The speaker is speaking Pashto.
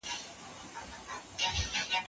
زکات د بې وزلو خلګو د هوساینې وسیله ده.